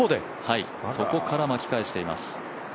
そこから巻き返しています